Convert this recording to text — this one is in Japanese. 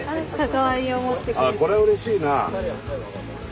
これはうれしいな。